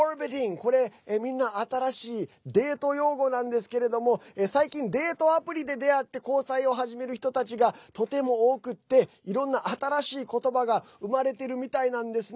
これ、みんな新しいデート用語なんですけれども最近、デートアプリで出会って交際を始める人たちがとても多くていろんな新しい言葉が生まれてるみたいなんですね。